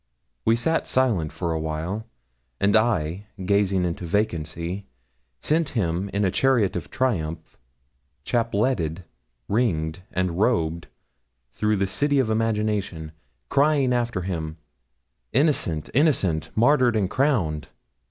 We sat silent for a while, and I, gazing into vacancy, sent him in a chariot of triumph, chapletted, ringed, and robed through the city of imagination, crying after him, 'Innocent! innocent! martyr and crowned!'